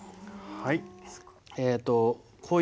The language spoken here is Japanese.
はい。